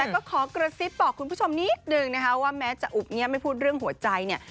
ก็ขอกระซิบบอกคุณผู้ชมนิดนึงนะคะว่าแม้จะอุบเงียบไม่พูดเรื่องหัวใจเนี่ย